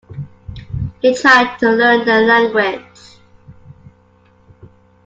He tried to learn their language.